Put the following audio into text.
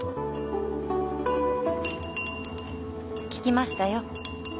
聞きましたよ。